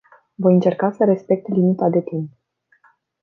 Voi încerca să respect limita de timp.